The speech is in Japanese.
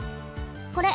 これ。